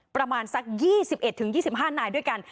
ประมาณสัก๒๑๒๕นายด้วยกัน